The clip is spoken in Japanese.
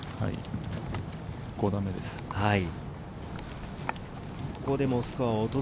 ５打目です。